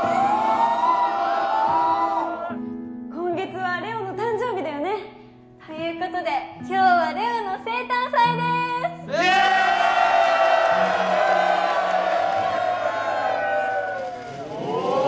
今月はれおの誕生日だよねということで今日はれおの生誕祭ですおぉ！